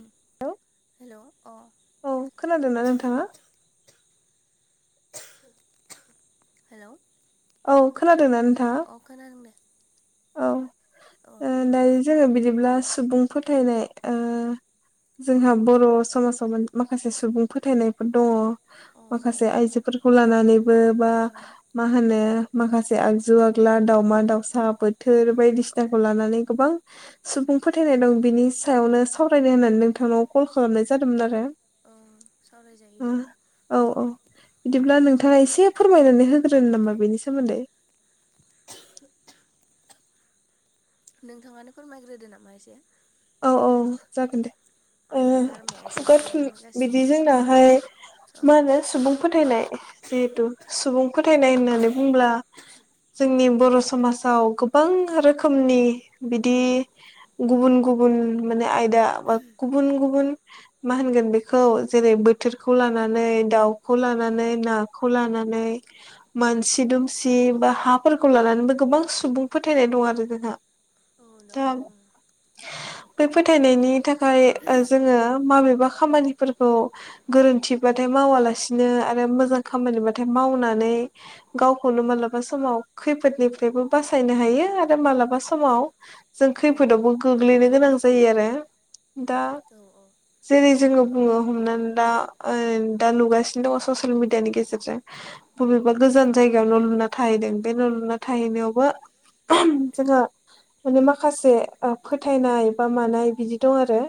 [inaudible] हेल' hello अ औ खोनादोंना नोंथाङा [inaudible] हेल' औ खोनादोंना नोंथाङा अ खोनादों दे औ औ दायो जोङो बिदिब्ला सुबुं फोथायनाय ओ औ जोंहा बर' समाजाव माखासे सुबुं फोथायनायफोर दङ औ दङ माखासे दङ आइजोफोरखौ लानानैबो बा ओं मा होनो माखासे आगजु आगला दाावमा दाावसा बोथोर उम बायदिसि लानानै गोबां सुबुं फोथायनाय दं बिनि औ सायावनो सावरायनो होननानै नोंथांनाव कल खालामनाय जादोंमोन आरो सावरायजायो दे औ-औ उम बिदिब्ला नों नोंथाङा एसे फोरमायनानै होग्रो नामा बेनि सोमोन्दै नोंथाङानो फोरमायग्रोदो नामा एसे औ-औ जागोन दे ओ आंना गारमाया एसे खुगा थुन प्रब्लेम होगासिनो बिदि जोंनाहाय दं औ मा होनो सुबुं फोथायनाय जिहेथु सुबुं फोथायनाय होननानै बुंब्ला जोंनि बर' समाजाव गोबां रोखोमनि बिदि औ गुबुन गुबुन माने आयदा बा गुबुन गुबुन मा होनगोन बेखौ जेरै बोथोरखौ लानानै दाउखौ औ लानानै नाखौ लानानै मानसि दुमसि बा हाफोरखौ लानानैबो गोबां सुबुं फोथायनाय दं आरो जोंहा ओ दा दङो ओं बे फोथायनायनि थाखाय जोङो माबेबा खामानिफोरखौ गोरोन्थिबाथाय मावालासिनो आरो मोजां खामानिबाथाय मावनानै गावखौनो मालाबा समाव खैफोदनिफ्रायबो बासायनो हायो आरो मालाबा समाव जों औ खैफोदावबो गोग्लैनो गोनां जायो आरो दा औ जेरै जोङो बुङो हमनानै दा दा नुगासिनो दङ ससियेल मिडियानि गेजेरजों बबेबा गोजान जायगायाव न' लुना थाहैदों बे न' लुना औ थाहैनायावबो जोंहा माने माखासे ओ फोथायनाय बा मानाय बिदि दं आरो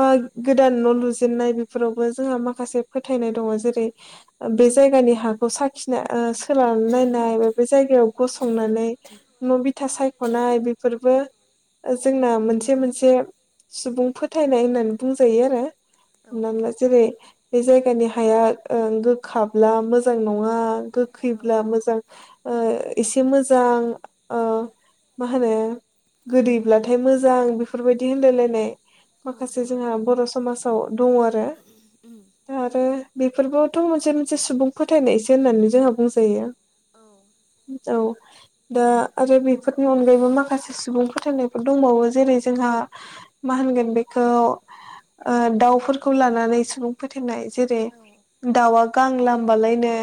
बा गोदान न' लुजेनन्नाय बेफोरावबो जोंहा माखासे फोथायनाय दङ जेरै बे जायगानि हाखौ साखिना सोलाना नायनाय बा बे जायगायाव गसंनानै न' बिथा सायख'नाय बेफोरबो ओ जोंना औ मोनसे मोनसे सुबुं फोथायनाय होननानै बुंजायो आरो औ हमनानै ला जेरै बे जायगानि हाया गोखाब्ला मोजां नङा गोखैब्ला औ मोजां ओ एसे मोजां उम मा होनो गोदैब्लाथाय मोजां बेफोरबायदि होनलाय लायनाय औ दङ माखासे जोंहा बर' समाज औ दङ आरो [unintelligible] दा आरो बेफोरबोथ' मोनसे मोनसे सुबुं फोथायनायसो होननानै जोंहा बुंजायो औ औ दा आरो बेफोरनि अनगायैबो माखासे सुबुं फोथायनायफोर दंबावो जेरै जोंहा मा होनगोन बेखौ दाउफोरखौ लानानै सुबुं फोथायनाय जेरै औ दाउवा गां लामबालायनो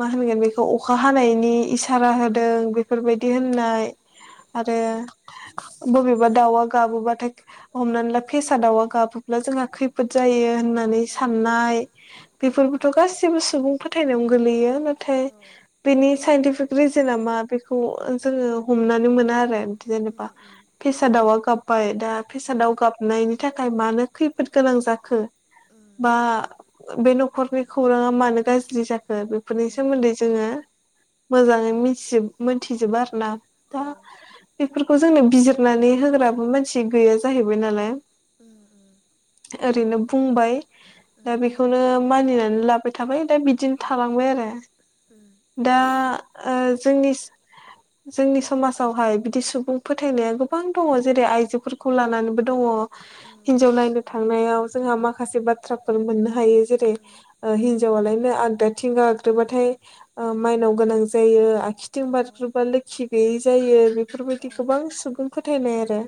मा होनगोन बेखौ उम अखा हानायनि इसारा होदों औ बेफोरबायदि होननाय आरो बबेबा दाउवा गाबोबाथाय हमनानै ला फेसा दाउवा गाबोब्ला जोंहा खैफोद जायो होननानै औ साननाय औ बेफोरबोथ' गाैबो सुबुं फोथायनायावनो गोलैयो नाथाय औ बेनि साइन्टिफिक रिजोनना मा बेखौ जोङो हमनानै मोना आरोे जेने [unintelligible] फेसादावा गाबबाय दा उम फेसादाव गाबनायनि थाखाय मानो खैफोद गोनां जाखो उम बा बे न'खरनि खौराङा मानो गाज्रि जाखो बेफोरनि उम सोमोन्दै जोङो मोजाङै मिथिजोब मोनथिजोबा आरो ना औ दा उम बेफोर खौ जोंनो बिजिरनानै होग्राबो मानसि गैया जाहैबाय नालाय [unintelligible] ओरैनो बुंबाय दा बेखौनो मानिनानै लाबाय थाबाय दा बिदिनो थालांबाय आरो दा जोंनि जोंनि समाजावहाय बिदि सुबुं फोथायनाया गोबां दङ जेरै आइजोफोरखौ लानानैबो दङ हिनजाव नंगौ नायनो थांनायाव जोंहा माखासे बाथ्राफोर मोननो हायो जेरै उम हिनजावालायनो आगदाथिं गाग्रोबाथाय माइनाव गोनां जायो आखसिथिं ओं बारग्रोबा लोखि गैयै जायो बेफोरबायदि गोबां सुबुं फोथायनाय आरो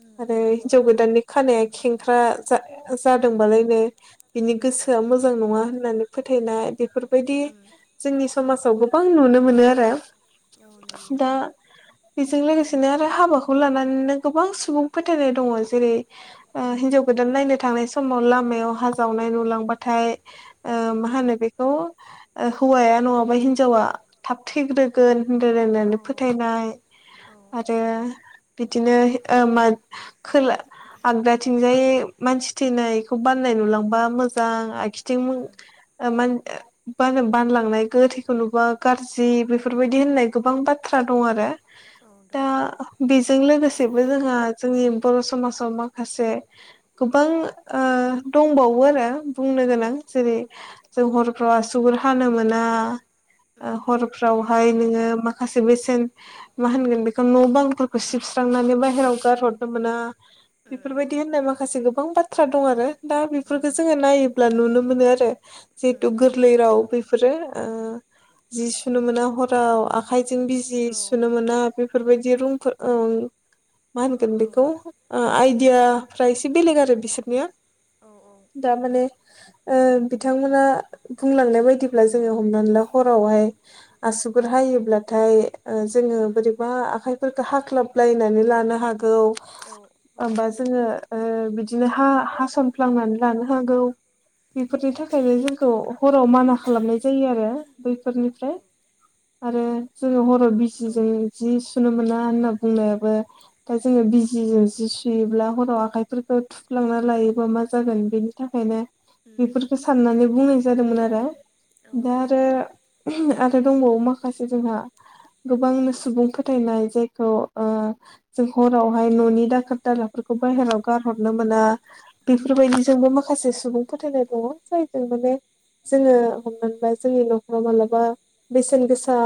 उम आरो उम हिनजाव दङ गोदाननि खानाया खेंख्रा जादोंबालायनो बिनि गोसोआ दङ उम औ उम दङ मोजां नङा होननानै फोथायनाय बेफोरबायदि उम जोंनि समाजाव गोबां नुनो मोनो आरो औ नुयो दा औ बेजों लोगोसे बिदिनो आरो हाबाखौ लानानैनो गोबां सुबुं फोथायनाय दङ जेरै उम हिनजाव गोदान नायनो थांनाय समाव लामायाव हाजावनाय नुलांबाथाय उम मा उम होनो बेखौ हौवाया नङाबा हिनजावा थाब थैग्रोगोन औ होनलायलायनानै फोथायनाय औ औ आरो बिदिनो ओ मा खोला आगदाथिंजाय मानसि थैनायखौ बाननाय नुलांबा मोजां आखिथिं उम ओ मान बागोन बानलांनाय गोथैखौ नुबा गाज्रि बेफोरबायदि होननाय गोबां बाथ्रा दं आरो औ दा दङ बेजों लोगोसेबो जोंहा जोंनि बर' समाजाव माखासे गोबां दंबावो आरो बुंनो उम गोनां जेरै जों हरफ्रावा आसुगुर हानो मोना उम उम नंगौ हरफ्रावहाय दा नोङो माखासे बेसेन मा होनगोन बे खौ न' बांफोरखौ सिबस्रांनानै बाहेराव गारहरनो मोना। उम बेफोरबायदि होननाय माखासे गोबां बाथ्रा दं आरो दा उम बेफोरखौ जोङो नायोब्ला नुनो मोनो आरो उम जिहेथु उम गोरलै राव बेफोरो जि सुनो मोना हराव आखाइजों बिजि औ औ सुनो मोना बेफोरबायदि रुमफोर मा होनगोन औ बेखौ उम औ आइदियाफ्रा एसे बेलेग आरो बिसोरनिया औ औ दा‌ माने बिथांमोना बुंलांनाय बायदिब्ला जोङो हमनानै ला हरावहाय आसुगुर हायोब्लाथाय जोङो बोरै उम बा आखाइफोरखौ हाख्लाबलायनानै लानो हागौ होमबा जोङो बिदिनो हा हास'नफ्लांनानै लानो हागौ। बेफोरनि थाखायनो जोंखौ हराव माना खालामनाय जायो आरो बैफोरनिफ्राय आरो जोङो हर' बिजिजों जि सुनो मोना होनना बुंनायाबो दा जोङो बिजिजों जि सुयोब्ला हराव आखाइफोरखौ थुफ्लांना लायोबा मा जागोन बेनि थाखायनो बेफोरखौ साननानै बुंनाय जादोंमोन आरो। दा आरो आरो दंबावो माखासे जोंहा गोबांनो सुबुं फोथायनाय जायखौ जों हरावहाय न'नि दाखोर दालाफोरखौ बाहेराव गारहरनो मोना बेफोरबायदिजोंबो माखासे सुबुं फोथायनाय दङ जायजों माने जोङो हमनानै ला जोंनि न'खराव मालाबा बेसेन गोसा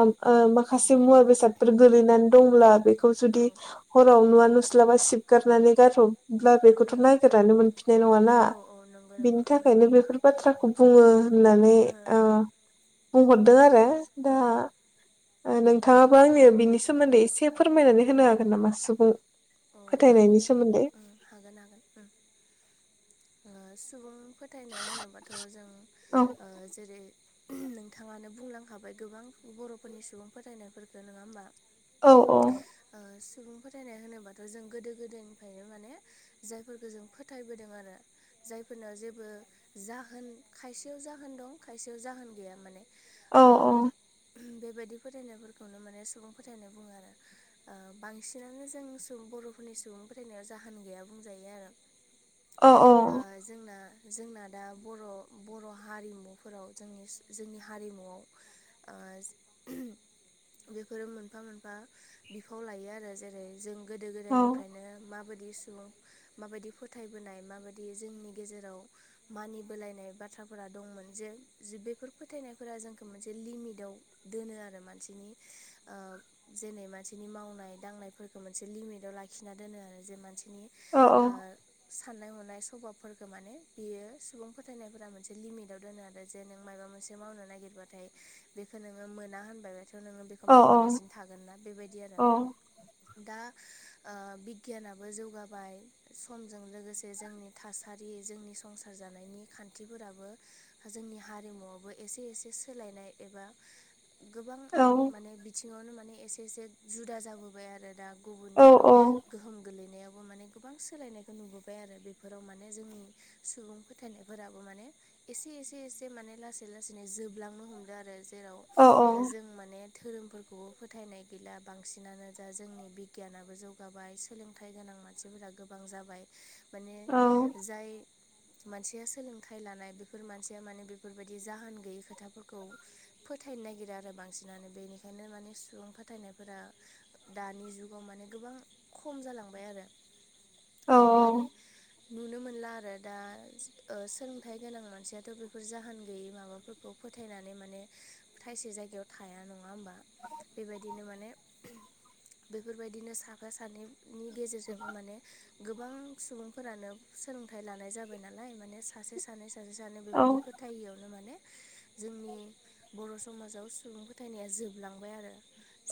माखासे मुवा बेसादफोर गोलैनानै दंब्ला बेखौ औ जुदि हराव नुवा नुस्लाबा सिबगारनानै गारोबब्ला औ बेखौथ' नायगिरनानै मोनफिननाय नङाना औ नंगौ बिनि नंगौ उम थाखायनो बेफोर बाथ्राखौ बुङो होननानै ओ बुंहरदों आरो दा औ ओ नोंथाङाबो आंनि बिनि सोमोन्दै एसे फोरमायनानै होनो हागोन नामा सुबुं औ फोथायनायनि हायो सोमोन्दै हागोन हागोन सुबुंफोर फोथायनाय होनोबाथ' जों औ जेरै नोंथाङानो बुंलांखाबाय गोबां बर'फोरनि सुबुं फोथायनायफोरफोरखौ नङा होमबा औ-औ ओ सुबुं फोथायनाय होनोबाथ' जों गोदो गोदायनिफ्रायनो माने जायफोरखौ जों फोथायबोदों आरो जायफोरनाव जेबो जाहोन खायसेयाव जाहोन दं खायसेयाव जाहोन गैया माने औ ओ औ बेबायदि फोथायनायफोरखौनो माने सुबुं फोथायनाय बुङो आरो। बांसिनानो जों बर' [unintelligible] सुबुं फोथायनायाव जाहोन गैया बुंजायो औ आरो। जोंना जोंना दा बर' बर' हारिमुफोराव जोंनि जोंनि हारिमुआव ओ [inaudible] बेफोरो मोनफा मोनफा बिफाव लायो आरो जेरै जों गोदो औ गोदायनि माबायदि सुबुं माबायदि फोथायबोनाय माबायदि जोंनि गेजेराव मानिबोलायनाय बाथ्राफोरा दंमोन जे बेफोर फोथायनायफोरा जोंखौ मोनसे लिमिटआव दोनो आरो मानसिनि जेनै मानसिनि मावनाय दांनायफोरखौ मोनसे लिमिटाव लाखि खिना दोनो आरो जे मानसिनि औ साननाय हनाय सभाबफोरखौ माने बेयो सुबुं फोथायनायफोरा मोनसे लिमिटाव दोनो आरो जे नों माबा मोनसे मावनो नागिरबाथाय बेखौ नोङो मोना होनबायबथ' नो बेखौ औ मावालासिनो थागोनना बेबायदि आरो औ दा बिगियानाबो जौगाबाय समजों लोगोसे जोंनि थासारि जोंनि संसार जानायनि खान्थिफोराबो जोंनि हारिमुआवबो एसे एसे सोलायनाय एबा गोबां माने बिथिङावनो माने एसे एसे जुदा जाबोबाय आरो दा गुबुननि गोहोम गोलैनायावबो माने गोबां सोलायनायखौ नुबोबाय आरो बेफोराव माने जोंनि सुबुं फोथायनायफोराबो माने एसे एसे एसे माने लासै लासै जोबलांनो हमदों आरो जेराव जों माने धोरोमफोरखौबो फोथायनाय गैला बांसिनानो दा जोंनि बिगियानाबो जौ गाबाय सोलोंथाइ गोनां मानसिफोरा गोबां जाबाय माने जाय मानसिया सोलोंथाइ लानाय बेफोर मानसिया माने बेफोरबायदि जाहोन गैयै खोथा फोरखौ खौ फोथायनो नागिरा आरो बांसिनानो बेनिखायनो माने सुबुं फोथायनायफोरा दानि जुगाव माने गोबां खम जालांबाय आरो माने नुनो मोनला आरो दा सोलोंथाइ गोनां मानसियाथ' बेफोर जाहोन गैयै माबाफोर खौ फोथायनानै माने थायसे जायगायाव थाया नङा होमबा बेबायदिनो माने बेफोरबायदिनो सा फा सानैनि गेजेरजोंनो माने गोबां सुबुंफोरानो सो लोंथाय लानाय जाबाय नालाय माने सासे सानै सासे सानै बेबायदि फोथायैयावनो माने जोंनि बर' समाजाव सुबुं फोथायनाया जोबलांबाय आरो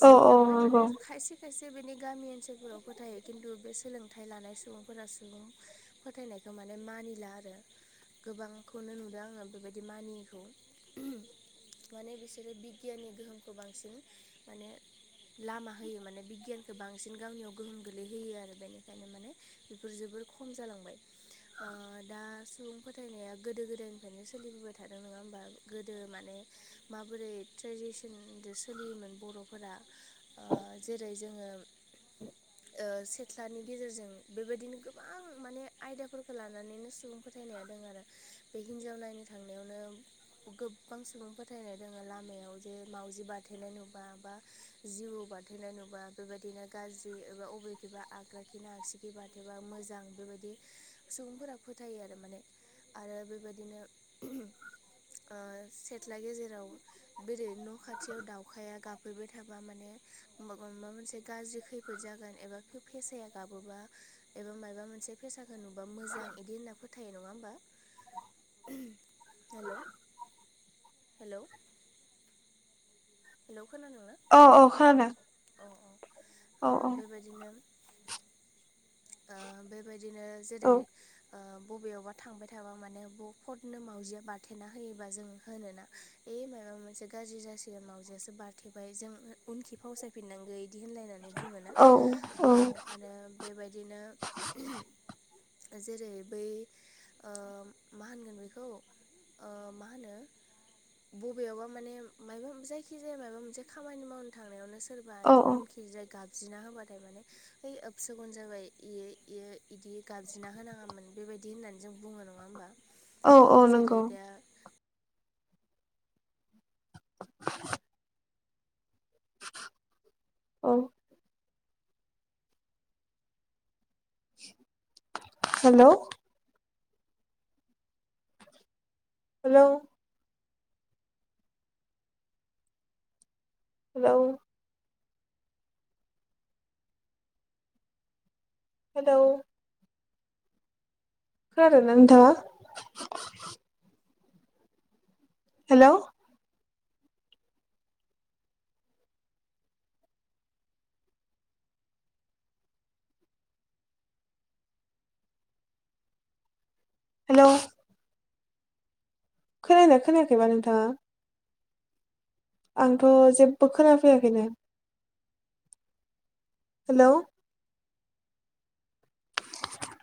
जोबलांबाय माने खायसे खायसे बिनि गामि ओन सोलफोराव फोथायो खिन्थु बे सोलोंथाइ लानाय सुबुंफोरा सुबुं फोथायनाय माने मानिला आरो गोबांखौनो नुदों आङो बेबायदि मानियैखौ माने बिसोरो बिगियाननि गोहोमखौ बांसिन माने लामा होयो माने बिगियानखो बां सिन गावनियाव गोहोम गोग्लैहोयो आरो बेनिखायनो माने बेफोर जोबोर खम जालांबाय दा सुबुं फोथायनाया गोदो गोदायनिफ्रायनो सोलिबोबाय थादों नोङा होमबा गोदो माने माबोरै ट्रेडिसनजों सोलियोमोन बर'फोरा जेरै जोङो [inaudible] सेथ्लानि गेजेरजों बेबायदिनो गोबां माने आयदाफोरखौ लानानैनो सुबुं फोथायनाया दं आरो बे हिनजाव नायनो थांनायावनो गोबां सुबुं फोथायनाय दङो लामायाव जे मावाउजि बारथेनाय नुबा बा जिबौ बारथेनाय नुबा बेबायदिनो गाज्रि एबा अबेखैबा आगदाखिना आगसिखिबा बारथेबा मोजां बेबायदि सुबुंफोरा फोथायो आरो माने आरो बेबायदिनो सेथ्ला गेजेराव बे ओरै न' खाथियाव दावउखाया गाफहैबाय थाबा माने माबा मोनसे गाज्रि खैफोद जागोन एबा फेसाया गाबोबा एबा मायबा मोनसे फेसखो नुबा मोजां बिदि होनना फोथायो नङा होमबा हेल' हेल' हेलौ खोनादों ना औ औ खोनादों अ अ बेबायदिनो ओ बे बेबायदिनो जेरै बबेयावबा थांबाय थाबा माने फटनो मावाउजिया बारथेना होयोबा जों होनोना ए मायबा मोनसे गाज्रि जासिगोन मावजियासो बारथेबाय जों उनखि फावसायफिननांगो बिदि होनलायनानै बुङोना औ आरो बेबायदिनो जेरै बै मा होनगोन बेखौ मा होनो बबेयावबा माने मायबा जाय खिजाया मायबा मोनसे खामानि मावनो थांनायावनो सोरबा औ बिदिनो उनखि जाय गाब ज्रिना होबाथाय माने ओइ एबसोगुन जाबाय इयो इयो इदि गाबज्रिना होनाङामोन बेबायदि होननानै जों बुङो नङा होमबा औ औ नंगौ औ खोनादों औ जेरै नंगौ दा औ हेलौ हेलौ हेलौ हेलौ खोनादोंना नोंथाङा हेलौ हेलौ खोनायाखै खोनायाखैबा नोंथाङा आंथ' जेबो खोनाफैयाखैनो हेलौ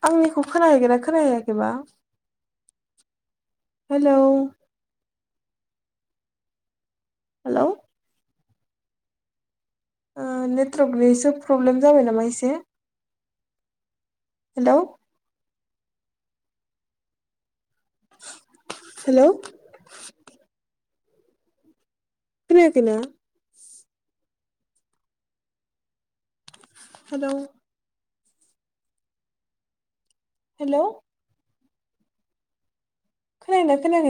आंनिखौ खोनाहैगोना खोनाहैयाखैबा हेलौ हेल' ओ नेटवर्कनिसो प्रब्लेम जाबाय नामा एसे हेल' हेल' खोनायाखै ना? हेल' हेल' खोनादों ना खोनायाखै?